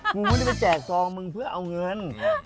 กูไม่ได้ไปแจกซองมึงเพื่อเอาเงิน